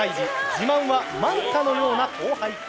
自慢はマンタのような広背筋。